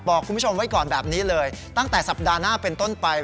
บอกคุณผู้ชมไว้ก่อนแบบนี้เลยตั้งแต่สัปดาห์หน้าเป็นต้นไป